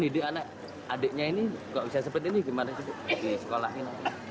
ini cara hidup adiknya ini kok bisa seperti ini gimana sih di sekolah ini